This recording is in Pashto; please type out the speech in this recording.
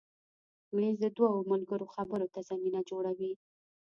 مېز د دوو ملګرو خبرو ته زمینه جوړوي.